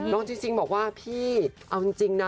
จริงบอกว่าพี่เอาจริงนะ